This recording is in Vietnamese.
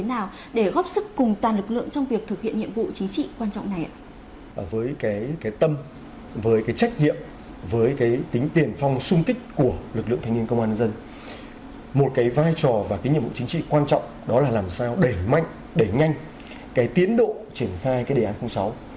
ngoài trò và nhiệm vụ chính trị quan trọng đó là làm sao để mạnh để nhanh tiến độ triển khai đề án sáu